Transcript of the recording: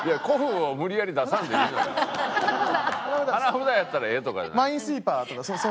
花札やったらええとかじゃない。